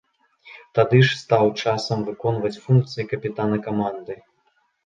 Тады ж стаў часам выконваць функцыі капітана каманды.